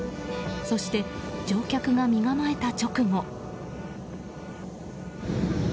そして、乗客が身構えた直後。